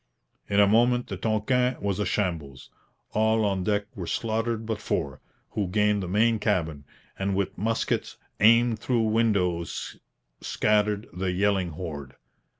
In a moment the Tonquin was a shambles. All on deck were slaughtered but four, who gained the main cabin, and with muskets aimed through windows scattered the yelling horde.